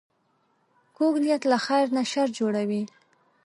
کوږ نیت له خیر نه شر جوړوي